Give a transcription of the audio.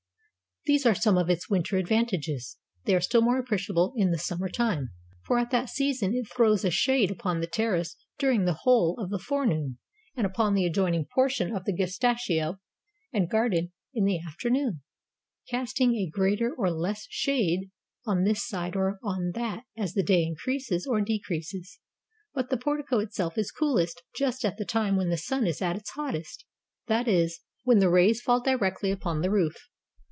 These are some of its winter advantages; they are still more appreciable in the sum mer time, for at that season it throws a shade upon the terrace during the whole of the forenoon, and upon the adjoining portion of the gestaiio and garden in the afternoon, casting a greater or less shade on this side or on that as the day increases or decreases. But the por tico itself is coolest just at the time when the sun is at its hottest, that is, when the rays fall directly upon the roof.